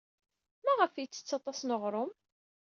Maɣef ay yettett aṭas n uɣrum?